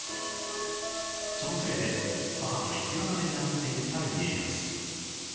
そのせいで母と生き別れになっていた家康